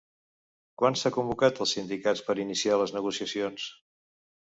Quan s'ha convocat als sindicats per iniciar les negociacions?